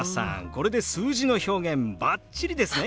これで数字の表現バッチリですね！